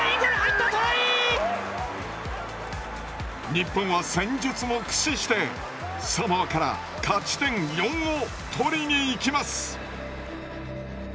日本は戦術も駆使してサモアから勝ち点４を取りに行きます。